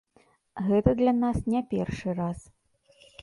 Гэта для нас не першы раз.